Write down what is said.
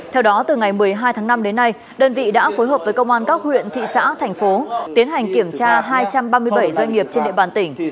theo đó từ ngày một mươi hai tháng năm đến nay đơn vị đã phối hợp với công an các huyện thị xã thành phố tiến hành kiểm tra hai trăm ba mươi bảy doanh nghiệp trên địa bàn tỉnh